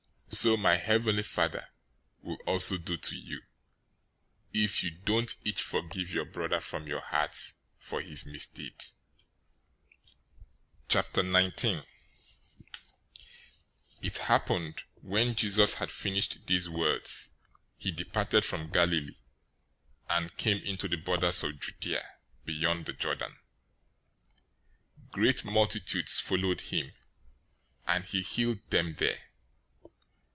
018:035 So my heavenly Father will also do to you, if you don't each forgive your brother from your hearts for his misdeeds." 019:001 It happened when Jesus had finished these words, he departed from Galilee, and came into the borders of Judea beyond the Jordan. 019:002 Great multitudes followed him, and he healed them there.